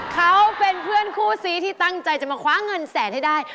เขาเป็นเพื่อนคู่ซีที่ตั้งใจจะมาคว้าเงินแสนให้ได้